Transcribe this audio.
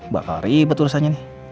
bakal ribet urusannya nih